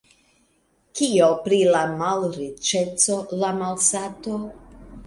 Kio pri la malriĉeco, la malsato?